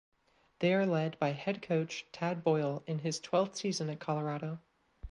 They are led by head coach Tad Boyle in his twelfth season at Colorado.